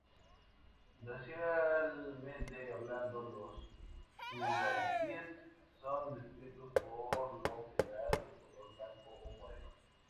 Racialmente hablando, los kuwaitíes son descritos por lo general, de color blanco o moreno.